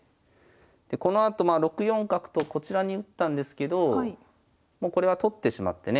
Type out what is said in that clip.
でこのあとまあ６四角とこちらに打ったんですけどもうこれは取ってしまってね。